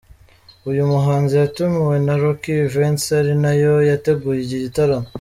Uyu muhanzi yatumiwe na Rock Events ari nayo yateguye iki gitaramo.